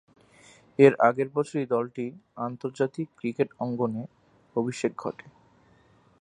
এর আগের বছরই দলটি আন্তর্জাতিক ক্রিকেট অঙ্গনে অভিষেক ঘটে।